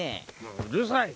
うるさい。